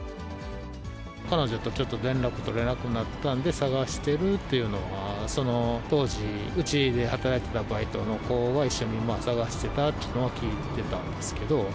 彼女とちょっと連絡取れなくなったんで、捜してるっていうのが、その当時、うちで働いてたバイトの子が一緒に捜してたっていうのは聞いてたんですけど。